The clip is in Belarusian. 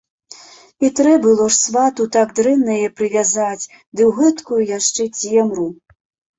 І трэ было ж свату так дрэнна яе прывязаць, ды ў гэткую яшчэ цемру.